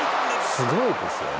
すごいですよね